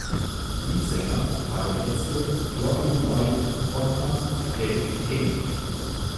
Leadsänger war der jetzige Flogging-Molly-Frontmann Dave King.